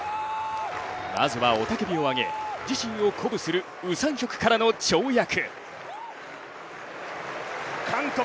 まずは雄たけびを上げ自身を鼓舞するウ・サンヒョクからの跳躍。